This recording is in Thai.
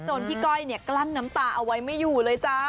พี่ก้อยเนี่ยกลั้นน้ำตาเอาไว้ไม่อยู่เลยจ้า